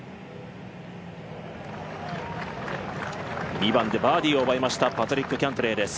２番でバーディーを奪いましたパトリック・キャントレーです。